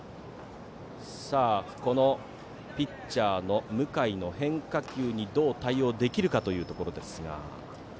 このピッチャーの向井の変化球にどう対応できるかというところ。